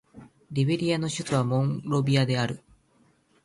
リベリアの首都はモンロビアである